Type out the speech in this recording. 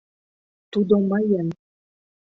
Тудо мыйын!